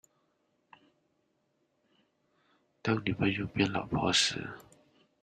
當女朋友變老婆時